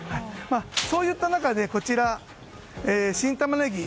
そういった中でこちら、新タマネギ。